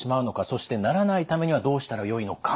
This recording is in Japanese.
そしてならないためにはどうしたらよいのか。